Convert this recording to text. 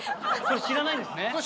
それ知らないんですね。